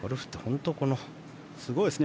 すごいですね。